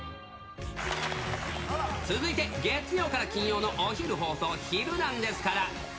続いて、月曜から金曜のお昼放送、ヒルナンデス！から。